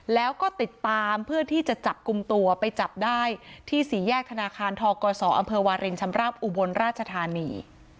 แล้วก็ติดตามเพื่อที่จะจับกลุ่มตัวไปจับได้ที่สี่แยกธนาคารทกศอำเภอวารินชำราบอุบลราชธานี